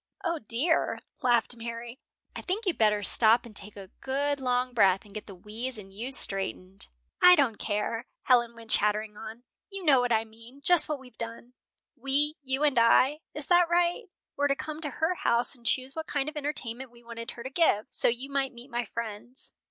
"O, dear," laughed Mary, "I think you'd better stop and take a good long breath, and get the we's and you's straightened." "I don't care," Helen went chattering on. "You know what I mean, just what we've done. We, you and I, is that right? were to come to her house and choose what kind of entertainment we wanted her to give, so you might meet my friends."